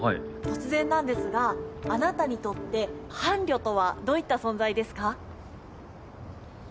突然なんですがあなたにとって伴侶とはどういった存在ですか？